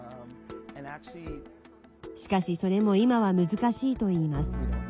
しかし、それも今は難しいと言います。